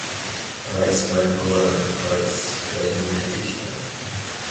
Preis beim Goran Preis für junge Dichter.